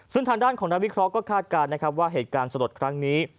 ซึ่งทางด้านของนักวิเคราะห์ก็คาดการณ์นะครับว่าเหตุการณ์สลดครั้งนี้